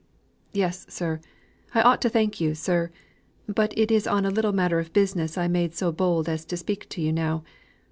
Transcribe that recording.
"Yes, sir. I ought to thank you, sir. But it is on a little matter of business I made so bold as to speak to you now.